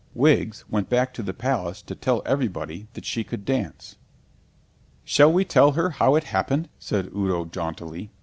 Wiggs went back to the Palace to tell everybody that she could dance. "Shall we tell her how it happened?" said Udo jauntily.